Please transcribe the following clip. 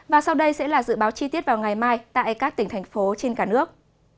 và sau đây sẽ là dự báo chi tiết vào ngày mai tại các tỉnh thành phố trên cả nước